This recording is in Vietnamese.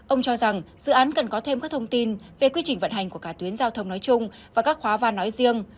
ông cho rằng dự án cần có thêm các thông tin về quy trình vận hành của cả tuyến giao thông nói chung và các khóa van nói riêng